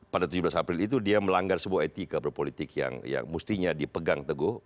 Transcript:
pada tujuh belas april itu dia melanggar sebuah etika berpolitik yang mestinya dipegang teguh